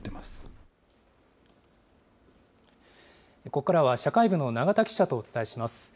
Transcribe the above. ここからは、社会部の永田記者とお伝えします。